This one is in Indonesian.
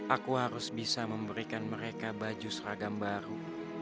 aku harus bisa memberikan mereka baju seragam baru